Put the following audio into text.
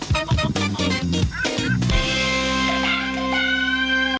ไปแล้วครับสวัสดีค่ะ